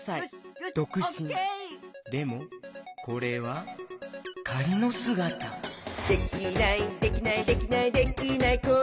でもこれはかりのすがた「できないできないできないできない子いないか」